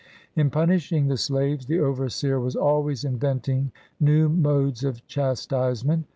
In punishing the slaves, the overseer w T as always inventing new modes of chastisement.